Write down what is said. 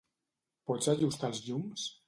Pots ajustar els llums?